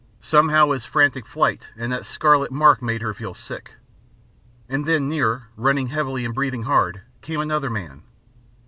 Somehow his frantic flight and that scarlet mark made her feel sick. And then nearer, running heavily and breathing hard, came another man.